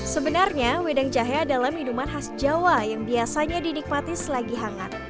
sebenarnya wedang jahe adalah minuman khas jawa yang biasanya dinikmati selagi hangat